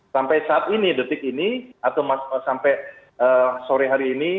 sampai saat ini detik ini atau sampai sore hari ini